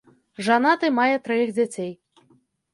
Жанаты, мае траіх дзяцей.